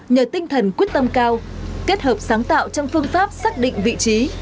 nhờ tinh thần quyết tâm cao kết hợp sáng tạo trong phương pháp xác định vị trí